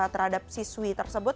terhadap siswi tersebut